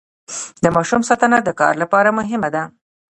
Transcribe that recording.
د ماشوم ساتنه د کار لپاره مهمه ده.